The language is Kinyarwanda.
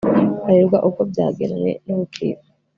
arerwa uko byagenwe n Urukiko